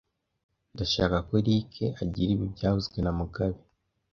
Ndashaka ko Eric agira ibi byavuzwe na mugabe